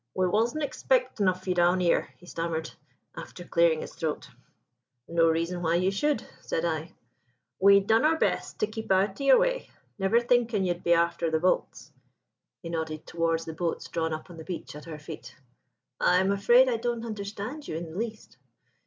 "'We wasn' expectin' of you down here,' he stammered, after clearing his throat. "'No reason why you should,' said I. "'We done our best to keep out o' your way never thinkin' you'd be after the boats,' he nodded towards the boats drawn up on the beach at our feet. "'I'm afraid I don't understand you in the least.'